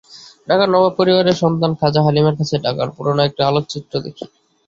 ঢাকার নবাব পরিবারের সন্তান খাজা হালিমের কাছে ঢাকার পুরোনো একটি আলোকচিত্র দেখি।